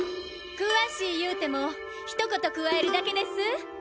詳しいゆうても一言加えるだけです。